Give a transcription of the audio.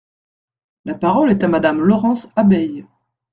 La parole est à Madame Laurence Abeille.